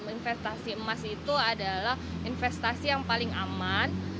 investasi emas itu adalah investasi yang paling aman